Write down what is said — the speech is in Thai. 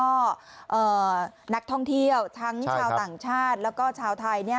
ก็นักท่องเที่ยวทั้งชาวต่างชาติแล้วก็ชาวไทย